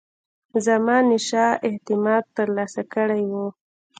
زمانشاه اعتماد ترلاسه کړی وو.